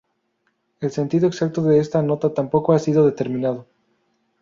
El sentido exacto de esta nota tampoco ha sido determinado.